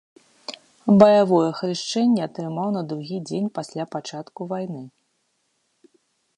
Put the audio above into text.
Баявое хрышчэнне атрымаў на другі дзень пасля пачатку вайны.